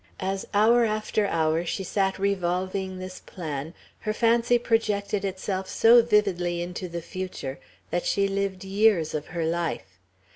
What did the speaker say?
As hour after hour she sat revolving this plan, her fancy projected itself so vividly into the future, that she lived years of her life.